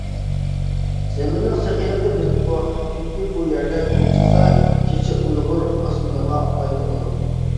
زېمىننىڭ سېخىيلىقى بىزگە گۇۋاھ چۈنكى بۇ يەردە كۈن چىقسا كېچە ئۇيغۇر ئاسمىنىغا ئاي تۇغىدۇ.